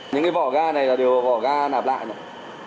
những cái vỏ ga này là đều vỏ ga nạp lại rồi